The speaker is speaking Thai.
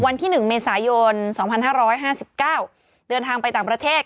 วันที่๑เมษายน๒๕๕๙เดินทางไปต่างประเทศ